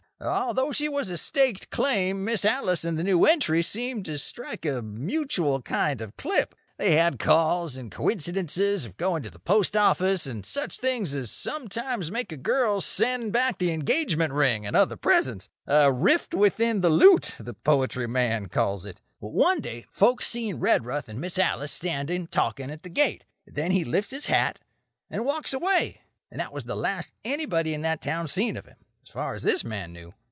Although she was a staked claim, Miss Alice and the new entry seemed to strike a mutual kind of a clip. They had calls and coincidences of going to the post office and such things as sometimes make a girl send back the engagement ring and other presents—'a rift within the loot,' the poetry man calls it. "One day folks seen Redruth and Miss Alice standing talking at the gate. Then he lifts his hat and walks away, and that was the last anybody in that town seen of him, as far as this man knew."